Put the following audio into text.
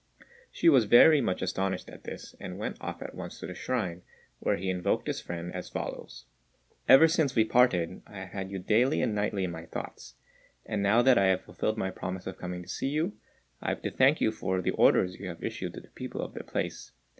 Hsü was very much astonished at this, and went off at once to the shrine, where he invoked his friend as follows: "Ever since we parted I have had you daily and nightly in my thoughts; and now that I have fulfilled my promise of coming to see you, I have to thank you for the orders you have issued to the people of the place.